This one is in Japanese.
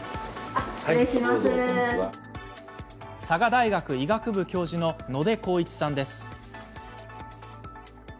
佐賀大学医学部教授の野出孝一さんです。